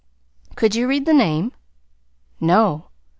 "Could you read the name?" "No."